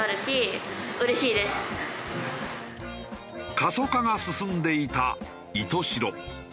過疎化が進んでいた石徹白。